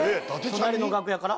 隣の楽屋から？